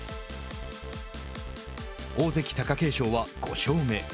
大関・貴景勝は５勝目。